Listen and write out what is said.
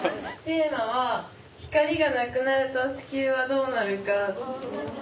テーマは「光が無くなると地球はどうなるのか」。